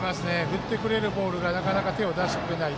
振ってくれるボールがなかなか手を出してくれない。